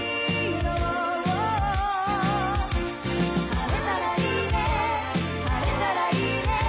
「晴れたらいいね晴れたらいいね」